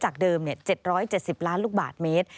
จากเดิม๗๗๐ล้านลูกบาทเมตร